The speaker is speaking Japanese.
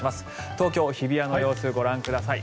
東京・日比谷の様子ご覧ください。